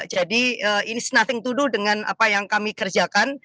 jadi ini nothing to do dengan apa yang kami kerjakan